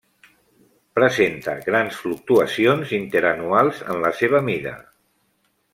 Presenta grans fluctuacions interanuals en la seva mida.